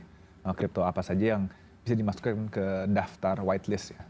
dari crypto apa saja yang bisa dimasukkan ke daftar white list ya